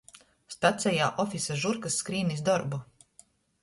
Stacejā ofisa žurkys skrīn iz dorbu.